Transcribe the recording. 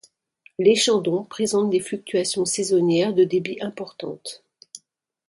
L'Échandon présente des fluctuations saisonnières de débit importantes.